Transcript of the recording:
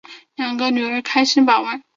两个女儿开心把玩